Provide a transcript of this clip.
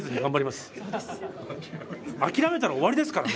諦めたら終わりですからね。